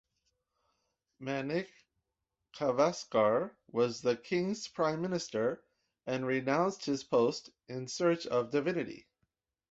Manickavasgar was the king's prime minister and renounced his post in search of divinity.